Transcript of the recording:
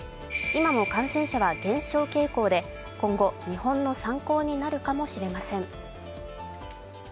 今も感染者は減少傾向で今後、日本の参考になるかもしれません。